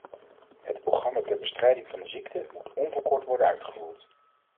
Het programma ter bestrijding van de ziekte moet onverkort worden uitgevoerd.